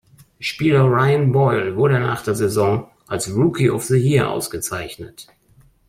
Spieler Ryan Boyle wurde nach der Saison als "Rookie of the Year" ausgezeichnet.